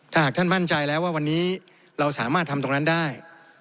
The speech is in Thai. ถ้าหากท่านมั่นใจแล้วว่าวันนี้เราสามารถทำตรงนั้นได้